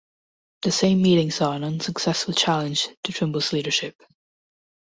The same meeting saw an unsuccessful challenge to Trimble's leadership.